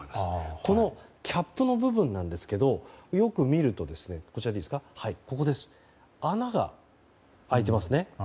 このキャップの部分なんですがよく見ると穴が開いてますね。